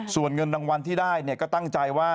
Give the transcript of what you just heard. ส่วนเงินรางวัลที่ได้ก็ตั้งใจว่า